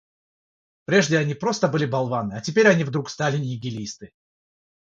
Прежде они просто были болваны, а теперь они вдруг стали нигилисты.